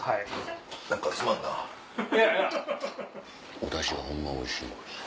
おダシはホンマおいしい。